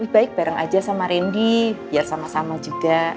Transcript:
baik bareng aja sama randy biar sama sama juga